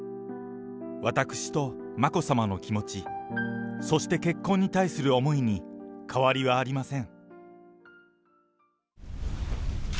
私と眞子さまの気持ち、そして結婚に対する思いに変わりはありません。